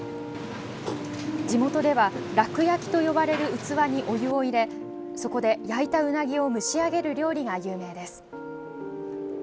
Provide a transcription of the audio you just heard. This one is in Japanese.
地元では、楽焼と呼ばれる器にお湯を入れそこで焼いた、うなぎを蒸し上げる料理が有名です。